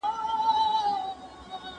مجرمین باید یو بل ته وسپارل شي.